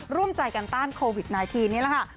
ร่วมใจกันต้านโควิด๑๙นี่แหละค่ะ